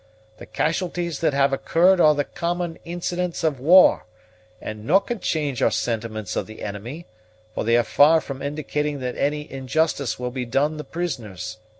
The casualties that have occurred are the common incidents of war, and can no' change our sentiments of the enemy, for they are far from indicating that any injustice will be done the prisoners.